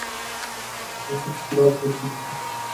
جو کچھ ہوا، وہ بھی